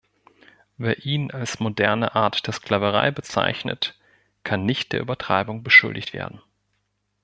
Wer ihn als moderne Art der Sklaverei bezeichnet, kann nicht der Übertreibung beschuldigt werden.